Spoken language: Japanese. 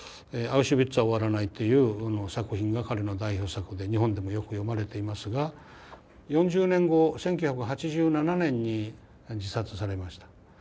「アウシュビッツは終わらない」という作品が彼の代表作で日本でもよく読まれていますが４０年後１９８７年に自殺されました。